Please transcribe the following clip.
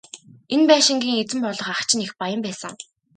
Энэ байшингийн эзэн болох ах чинь их баян байсан.